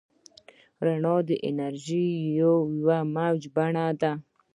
رڼا د انرژۍ یوه موجي بڼه ده.